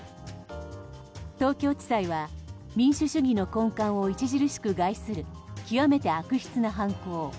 東京地裁は、民主主義の根幹を著しく害する極めて悪質な犯行。